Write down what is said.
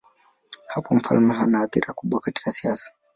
Hapo mfalme hana athira kubwa katika siasa.